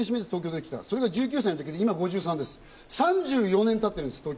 それが１９歳の時で今は５３、３４年経ってるんです。